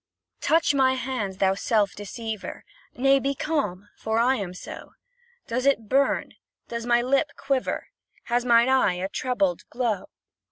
Touch my hand, thou self deceiver; Nay be calm, for I am so: Does it burn? Does my lip quiver? Has mine eye a troubled glow?